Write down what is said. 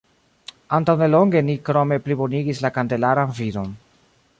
Antaŭ nelonge, ni krome plibonigis la kalendaran vidon.